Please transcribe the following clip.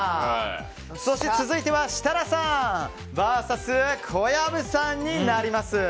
そして続いては設楽さんＶＳ小籔さんになります。